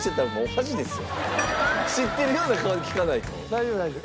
大丈夫大丈夫。